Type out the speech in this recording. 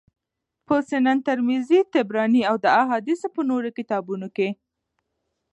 په سنن ترمذي، طبراني او د احاديثو په نورو کتابونو کي